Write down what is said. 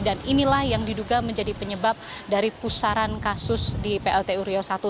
dan inilah yang diduga menjadi penyebab dari pusaran kasus di pltu riau satu